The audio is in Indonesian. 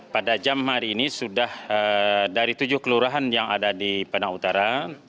pada jam hari ini sudah dari tujuh kelurahan yang ada di padang utara